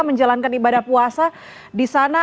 menjalankan ibadah puasa di sana